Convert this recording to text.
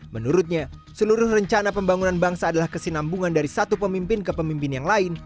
menurutnya seluruh rencana pembangunan bangsa adalah kesinambungan dari satu pemimpin ke pemimpin yang lain